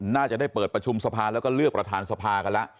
น่าจะได้เปิดประชุมสภาแล้วก็เลือกประธานสภากันแล้ว